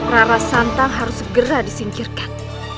rara santang harus segera disingkirkan